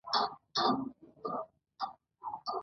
له ډیریدو نه وروسته په ژړا بدل شول.